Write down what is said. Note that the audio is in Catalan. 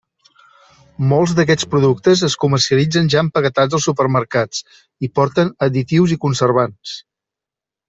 Molts d'aquests productes es comercialitzen ja empaquetats als supermercats i porten additius i conservants.